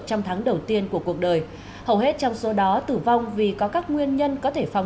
trong tháng đầu tiên của cuộc đời hầu hết trong số đó tử vong vì có các nguyên nhân có thể phòng